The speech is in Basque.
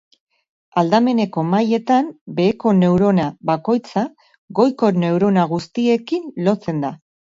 Aldameneko mailetan beheko neurona bakoitza, goiko neurona guztiekin lotzen da.